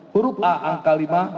huruf a angka lima